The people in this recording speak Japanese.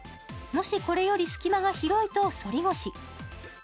もしこれより隙間が広いとそり腰。